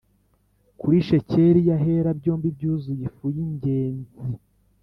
kuri shekeli y Ahera byombi byuzuye ifu y ingezi